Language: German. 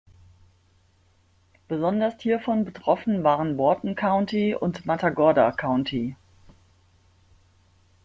Besonders hiervon betroffen waren Wharton County und Matagorda County.